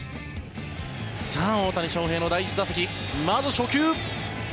さあ、大谷翔平の第１打席まず初球。